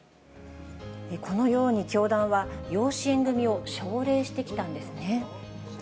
このように教団は、養子縁組みを奨励してきたんですね。